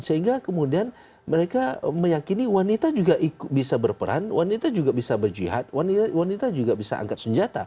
sehingga kemudian mereka meyakini wanita juga bisa berperan wanita juga bisa berjihad wanita juga bisa angkat senjata